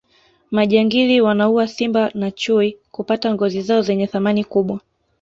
majangili wanaua simba na chui kupata ngozi zao zenye thamani kubwa